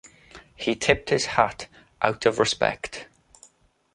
He tipped his hat out of respect.